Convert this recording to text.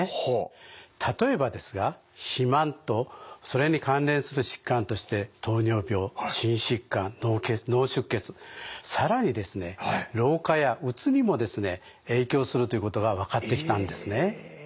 例えばですが肥満とそれに関連する疾患として糖尿病心疾患脳出血更にですね老化やうつにもですね影響するということが分かってきたんですね。